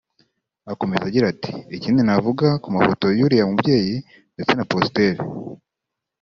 Akomeza agira ati “ Ikindi navuga ku mafoto y’uriya mubyeyi ndetse na positeri